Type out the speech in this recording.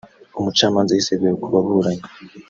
Umucamanza yisegura ku baburanyi